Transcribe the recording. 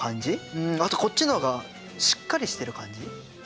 うんあとこっちの方がしっかりしてる感じ。